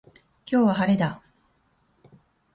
今日は晴れだ。